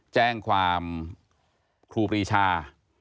แจ้งความครูปรีชา